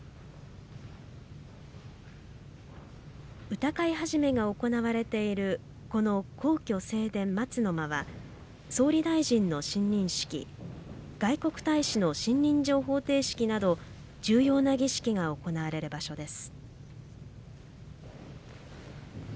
歌会始が行われているこの皇居正殿「松の間」は総理大臣の親任式外国大使の信任状捧呈式など重要な儀式が行われる場所です。